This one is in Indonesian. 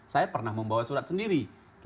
saya pernah membawa surat sendiri